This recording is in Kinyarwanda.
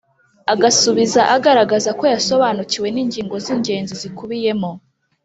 agasubiza agaragaza ko yasobanukiwe n’ingingo z’ingenzi zikubiyemo;